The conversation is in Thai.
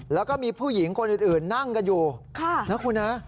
แล้วก็มีผู้หญิงคนอื่นนั่งกันอยู่